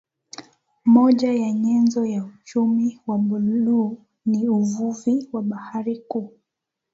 Moja ya nyenzo ya uchumi wa buluu ni uvuvi wa bahari kuu